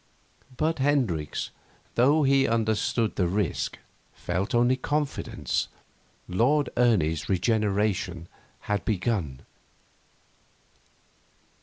But Hendricks, though he understood the risk, felt only confidence. Lord Ernie's regeneration had begun.